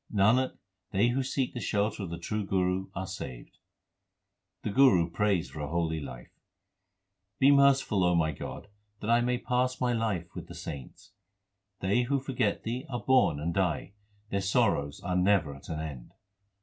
Nanak, they who seek the shelter of the true Guru are saved. The Guru prays for a holy life : Be merciful, O my God, that I may pass my life with the saints ! They who forget Thee are born and die ; their sorrows are never at an end.